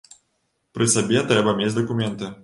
Пры сабе трэба мець дакументы.